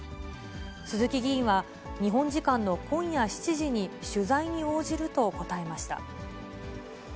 鈴木議員は、日本時間の今夜７時に取材に応じると答えました。